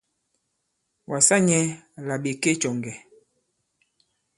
Wàsa nyɛ̄ là ɓè ke cɔ̀ŋgɛ̀.